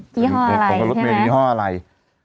ยี่ห้ออะไรใช่ไหม